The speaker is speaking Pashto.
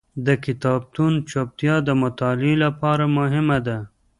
د کتابتون چوپتیا د مطالعې لپاره مهمه ده.